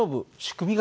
仕組み？